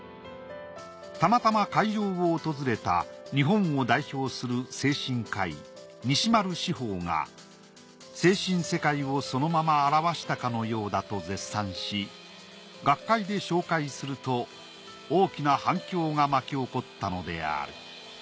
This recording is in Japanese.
たまたま会場を訪れた日本を代表する精神科医西丸四方が精神世界をそのまま表したかのようだと絶賛し学会で紹介すると大きな反響が巻き起こったのである。